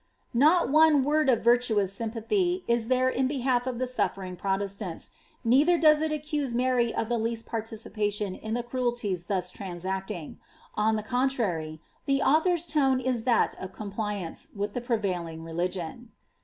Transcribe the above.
' Not one word of virtuous syat Kithy is there in behalf of the sufl^ring Protestants, neither does it accuse ary of the least participation in the cruelties then transacting ; on the contrary, the author's tone is that of compliance with the prevailing religion.